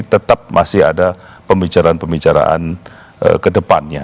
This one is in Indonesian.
tetap masih ada pembicaraan pembicaraan ke depannya